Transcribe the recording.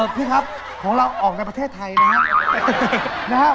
พี่ครับของเราออกในประเทศไทยนะครับ